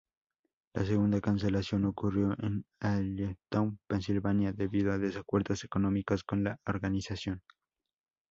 La segunda cancelación ocurrió en Allentown, Pensilvania, debido a desacuerdos económicos con la organización.